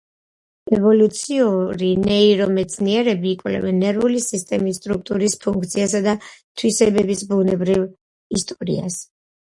ევოლუციური ნეირომეცნიერები იკვლევენ ნერვული სისტემის სტრუქტურის, ფუნქციებისა და თვისებების ბუნებრივ ისტორიას.